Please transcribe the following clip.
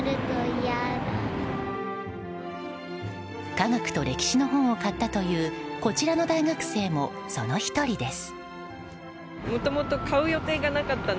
化学と歴史の本を買ったというこちらの大学生もその１人です。